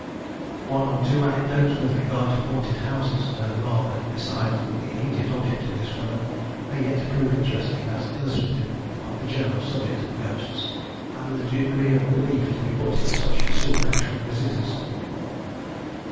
One or two anecdotes with regard to haunted houses, though rather beside the immediate object of this work, may yet prove interesting, as illustrative of the general subject of ghosts, and the degree of belief to be put in such supernatural visitors.